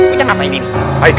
bocah ngapain ini